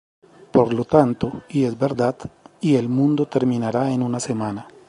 Por lo tanto, Y es verdad, y el mundo terminará en una semana.